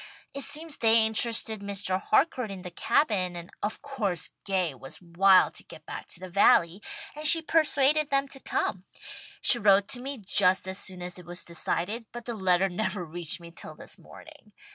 It seems they interested Mr. Harcourt in the Cabin, and of course Gay was wild to get back to the Valley, and she persuaded them to come. She wrote to me just as soon as it was decided, but the letter never reached me till this morning.